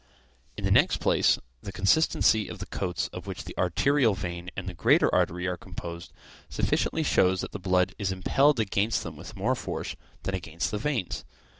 In the next place, the consistency of the coats of which the arterial vein and the great artery are composed, sufficiently shows that the blood is impelled against them with more force than against the veins.